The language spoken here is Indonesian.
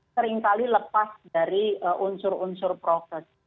seringkali lepas dari unsur unsur prokes